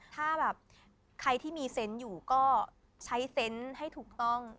ถ้าแบบใครที่มีเซนต์อยู่ก็ใช้เซนต์ให้ถูกต้อง